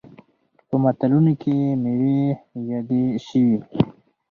په متلونو کې میوې یادې شوي.